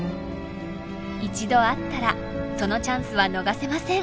一度会ったらそのチャンスは逃せません。